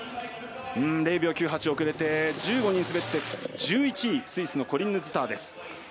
０秒９８遅れて１５人滑って１１位スイスのコリンヌ・ズター。